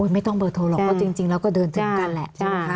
ไม่ต้องเบอร์โทรหรอกเราก็เดินถึงกันแหละ